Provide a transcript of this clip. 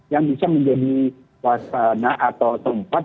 yang bisa menjadi wasana atau tempat